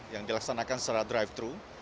yang dilaksanakan secara drive thru